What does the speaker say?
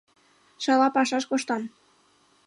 — Шала пашаш коштам...